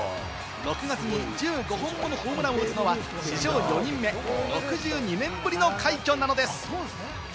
６月に１５本のホームランを打つのは史上４人目、６２年ぶりの快挙なのです。